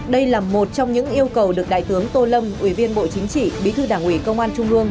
đây là một trong những yêu cầu được đại tướng tô lâm ủy viên bộ chính trị bí thư đảng ủy công an trung ương